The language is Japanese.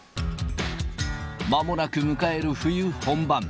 まもなく迎える冬本番。